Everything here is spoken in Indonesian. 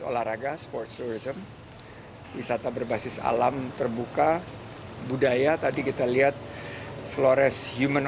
olahraga sports tourism wisata berbasis alam terbuka budaya tadi kita lihat flores human